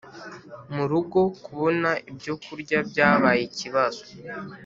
murugo kubona ibyo kurya byabaye ikibazo ,